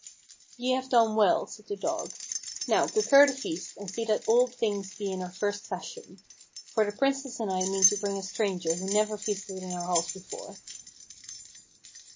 "Ye have done well," said the dog. "Now, prepare the feast, and see that all things be in our first fashion: for the Princess and I mean to bring a stranger who never feasted in our halls before."